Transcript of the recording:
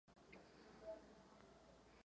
V současnosti existují mezi námi značné rozdíly.